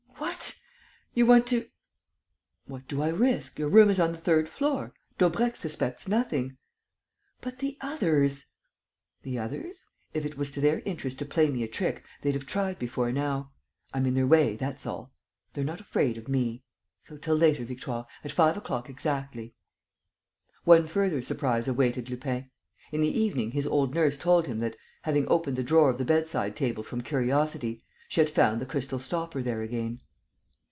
"What! You want to...." "What do I risk? Your room is on the third floor. Daubrecq suspects nothing." "But the others!" "The others? If it was to their interest to play me a trick, they'd have tried before now. I'm in their way, that's all. They're not afraid of me. So till later, Victoire, at five o'clock exactly." One further surprise awaited Lupin. In the evening his old nurse told him that, having opened the drawer of the bedside table from curiosity, she had found the crystal stopper there again.